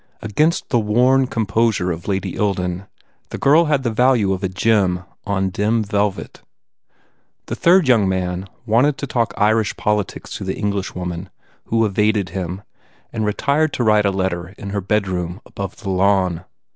Against the worn composure of Lady Ilden, the girl had the value of a gem on dim velvet. The third young man wanted to talk Irish politics to the Englishwoman who evaded him and retired to write a letter in her bedroom above the lawn.